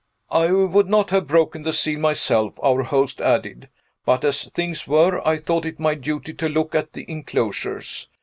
"I would not have broken the seal myself," our host added. "But, as things were, I thought it my duty to look at the inclosures.